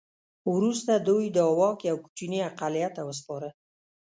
وروسته دوی دا واک یو کوچني اقلیت ته وسپاره.